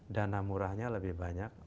dana murahnya lebih banyak